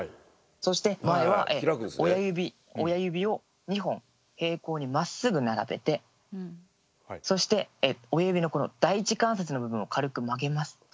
そして前は前は親指を２本平行にまっすぐ並べてそして親指のこの第一関節の部分を軽く曲げます。